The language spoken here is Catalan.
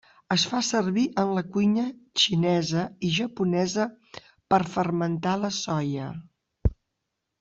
Es fa servir en la cuina xinesa i japonesa per fermentar la soia.